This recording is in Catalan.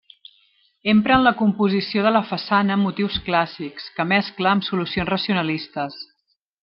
Empra en la composició de la façana motius clàssics, que mescla amb solucions racionalistes.